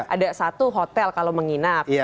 ada satu hotel kalau menginap